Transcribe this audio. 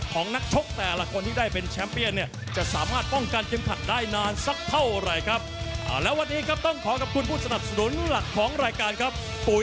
คุณพี่ผมที่หันกันเลยครับ